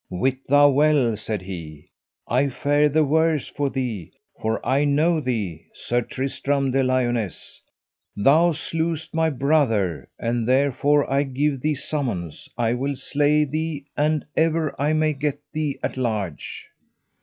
Wit thou well, said he, I fare the worse for thee, for I know thee, Sir Tristram de Liones, thou slewest my brother; and therefore I give thee summons I will slay thee an ever I may get thee at large.